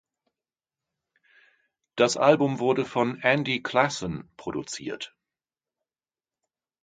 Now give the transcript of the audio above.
Das Album wurde von Andy Classen produziert.